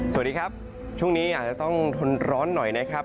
สวัสดีครับช่วงนี้อาจจะต้องทนร้อนหน่อยนะครับ